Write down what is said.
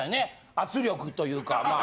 圧力というかまあ。